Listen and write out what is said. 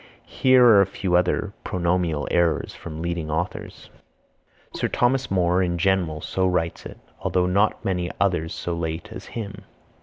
Here are a few other pronominal errors from leading authors: "Sir Thomas Moore in general so writes it, although not many others so late as him."